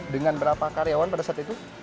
dengan berapa karyawan pada saat itu